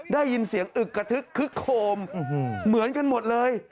ได้ยินเสียงอึกกระทึกคึกโคมเหมือนกันหมดเลย